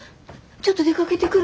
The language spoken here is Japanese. ちょっと出かけてくる。